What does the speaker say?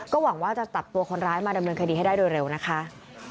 หวังว่าจะจับตัวคนร้ายมาดำเนินคดีให้ได้โดยเร็วนะคะ